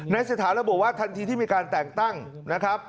ในสถานระบุว่าทันทีที่มีการแต่งตั้งนะครับ